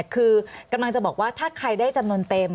คือกำลังจะบอกว่าถ้าใครได้จำนวนเต็ม